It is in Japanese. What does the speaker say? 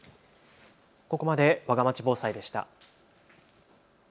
ここまで、わがまち防災でした。